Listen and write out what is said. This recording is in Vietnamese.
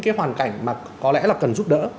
cái hoàn cảnh mà có lẽ là cần giúp đỡ